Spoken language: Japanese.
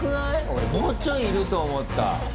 俺もうちょいいると思った。